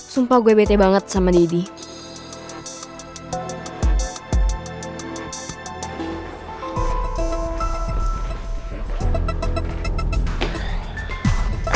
sumpah gue bete banget sama didi